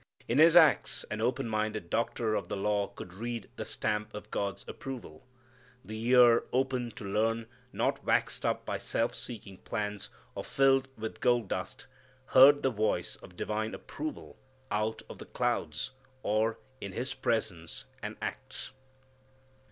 In His acts, an open minded doctor of the law could read the stamp of God's approval. The ear open to learn, not waxed up by self seeking plans, or filled with gold dust, heard the voice of divine approval out of the clouds, or in His presence and acts.